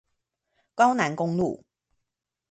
高楠公路